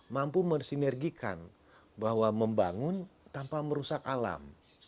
mampu mensinergikan bahwa membangun tanpa merusak alam